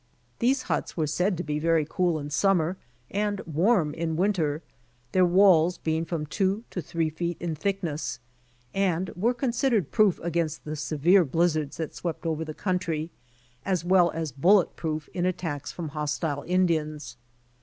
These huts were said to be very cool in summer and warm in winter, their walls being from two to three feet in thickness, and WTre considered proof against the severe blizzards that swept over the country, as well as bullet proof in attacks from hostile Indians.